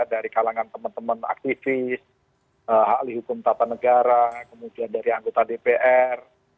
dari kalangan teman teman aktivis ahli hukum tata negara kemudian dari anggota dpr